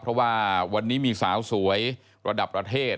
เพราะว่าวันนี้มีสาวสวยระดับประเทศ